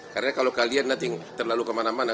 karena kalau kalian nanti terlalu kemana mana